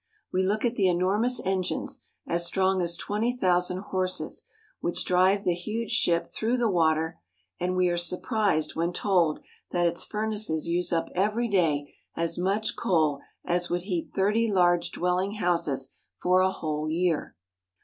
We look at the enormous en gines, as strong as twenty thousand horses, which drive the huge ship through the water, and we are surprised when told that its furnaces use up every day as much coal as would heat thirty large dwelling houses for a whole year.